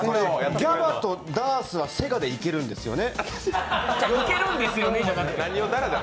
ＧＡＢＡとダースはＳＥＧＡでいけるんですね。